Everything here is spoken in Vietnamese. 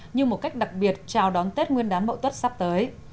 như một cách đặc biệt chào đón tết nguyên đán mậu tuất sắp tới